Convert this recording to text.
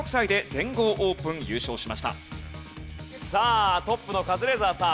さあトップのカズレーザーさん。